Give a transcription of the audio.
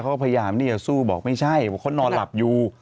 เขาก็พยายามสู้บอกไม่ใช่คนนอนหลับอยู่